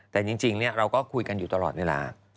แต่จริงเราก็คุยกันอยู่ตลอดเวลา